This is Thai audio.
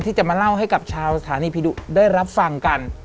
ที่จะมาเล่าให้กับชาวสถานีผีดุได้รับฟังกัน